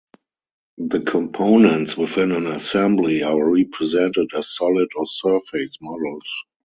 The components within an assembly are represented as solid or surface models.